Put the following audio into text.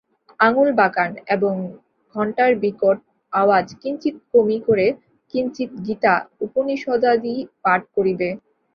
আঙুল-বাঁকান এবং ঘণ্টার বিকট আওয়াজ কিঞ্চিৎ কমি করে কিঞ্চিৎ গীতা-উপনিষদাদি পাঠ করিবে।